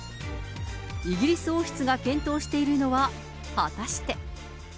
イギリス王室が検討しているのは果たして。